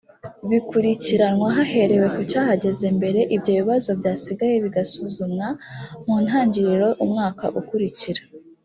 bikurikiranwa haherewe ku cyahageze mbere ibyo bibazo byasigaye bigasuzumwa mu ntangiriro umwaka ukurikira